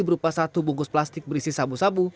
berupa satu bungkus plastik berisi sabu sabu